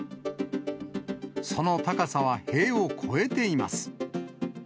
その高さは塀を超えています。